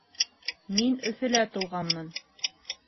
Мин Өфөлә тыуғанмын